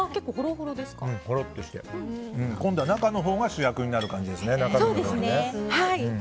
ほろっとして、今度は中のほうが主役になる感じですね。